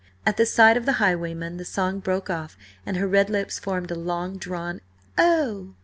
At the sight of the highwayman the song broke off and her red lips formed a long drawn "Oh!"